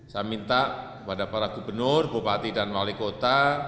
saya minta kepada para gubernur bupati dan wali kota